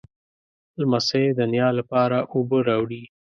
لمسی د نیا لپاره اوبه راوړي.